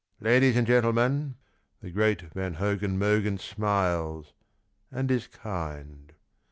" Ladies and gentlemen," the great Van Hogen Mogen Smiles and is kind.